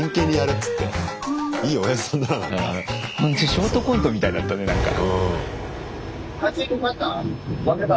ショートコントみたいだったねなんか。